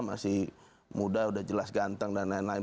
masih muda sudah jelas ganteng dan lain lain